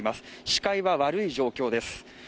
視界は悪い状況です